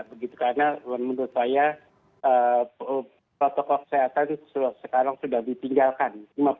karena menurut saya protokol kesehatan sekarang sudah ditinggalkan